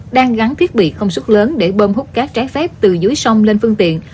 đang gắn thiết bị không sức lớn để bơm hút cát trái phép từ dưới sông lên phương tiện